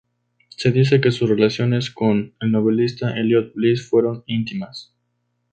Se dice que sus relaciones con el novelista Eliot Bliss fueron íntimas.